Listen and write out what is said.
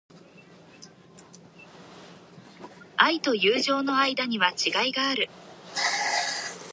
愛と友情の間には違いがある。